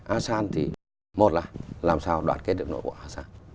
asean thì một là làm sao đoạt kết được nội quả của asean